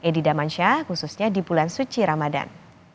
edi damansyah khususnya di bulan suci ramadan